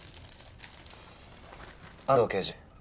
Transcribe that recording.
安堂刑事。